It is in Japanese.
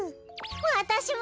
わたしも！